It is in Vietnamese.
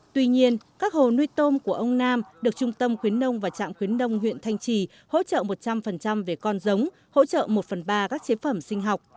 tuy nhiên các hồ nuôi tôm của ông nam được trung tâm khuyến nông và trạm khuyến đông huyện thanh trì hỗ trợ một trăm linh về con giống hỗ trợ một phần ba các chế phẩm sinh học